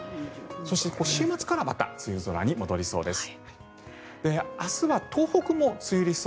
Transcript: そして週末からはまた梅雨空に戻りそうです。